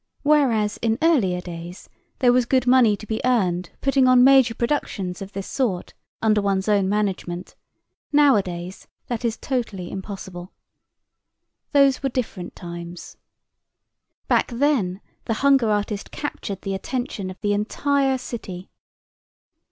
Whereas in earlier days there was good money to be earned putting on major productions of this sort under one's own management, nowadays that is totally impossible. Those were different times. Back then the hunger artist captured the attention of the entire city.